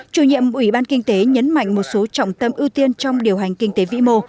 chủ nhiệm ủy ban kinh tế nhấn mạnh một số trọng tâm ưu tiên trong điều hành kinh tế vĩ mô